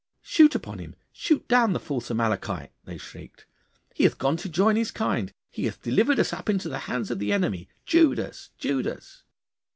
'Shoot upon him! Shoot down the false Amalekite!' they shrieked. 'He hath gone to join his kind! He hath delivered us up into the hands of the enemy! Judas! Judas!